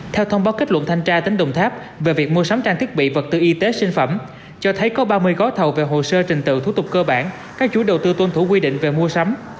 theo thông báo kết luận thanh tra tỉnh đồng tháp về việc mua sắm trang thiết bị vật tư y tế sinh phẩm cho thấy có ba mươi gói thầu về hồ sơ trình tự thủ tục cơ bản các chú đầu tư tuân thủ quy định về mua sắm